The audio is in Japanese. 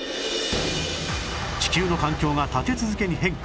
地球の環境が立て続けに変化